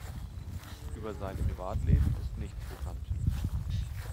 Über sein Privatleben ist nichts bekannt.